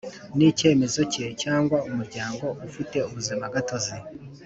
Ni icyemezo cye cyangwa umuryango ufite ubuzimagatozi